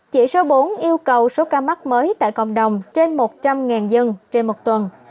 chỉ số bốn yêu cầu số ca mắc mới tại cộng đồng trên một trăm linh dân trên một tuần